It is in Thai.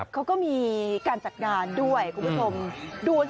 เขาก็มีการจัดงานด้วยคุณผู้ชมดูสิ